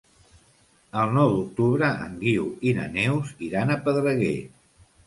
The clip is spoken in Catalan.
El nou d'octubre en Guiu i na Neus iran a Pedreguer.